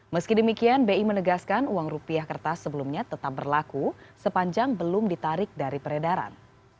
meski demikian bi menegaskan uang rupiah kertas sebelumnya tetap berlaku sepanjang belum ditarik dari peredaran